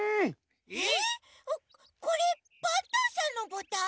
これパンタンさんのボタン？